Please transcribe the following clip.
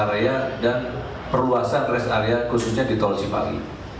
dan res area dan perluasan res area khususnya di tol cipali